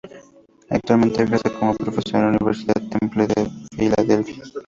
Actualmente ejerce como profesor en la Universidad Temple de Filadelfia.